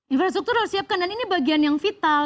infrastruktur harus siapkan dan ini bagian yang vital